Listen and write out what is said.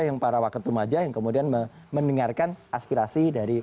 yang para wakil tumaja yang kemudian mendengarkan aspirasi dari